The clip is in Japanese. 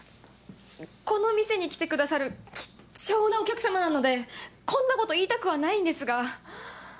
この店に来てくださる貴重なお客様なのでこんなこと言いたくはないんですが。